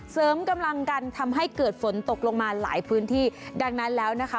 เสริมกำลังกันทำให้เกิดฝนตกลงมาหลายพื้นที่ดังนั้นแล้วนะคะ